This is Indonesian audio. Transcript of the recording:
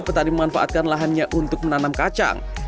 petani memanfaatkan lahannya untuk menanam kacang